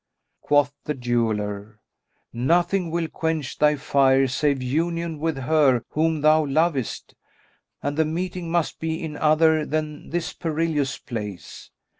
Quoth the jeweller, "Nothing will quench thy fire save union with her whom thou lovest; and the meeting must be in other than this perilous place.